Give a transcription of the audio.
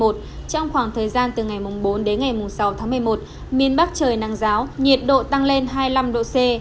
trong khoảng thời gian từ ngày bốn đến ngày sáu tháng một mươi một miền bắc trời nắng giáo nhiệt độ tăng lên hai mươi năm độ c